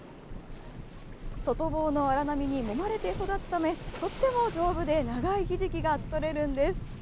外房の荒波に揉まれて育つため、とっても丈夫で長いひじきが採れるんです。